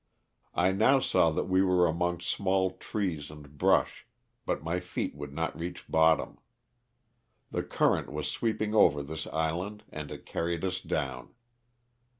I now saw that we were among small trees and brush, but my feet would not reach bottom. The current was sweeping over this island and it carried us down.